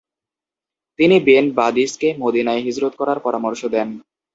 তিনি বেন বাদিসকে মদীনায় হিজরত করার পরামর্শ দেন।